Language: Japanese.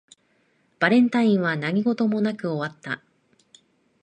バレンタインは何事もなく終わった